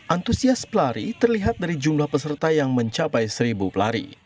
antusias pelari terlihat dari jumlah peserta yang mencapai seribu pelari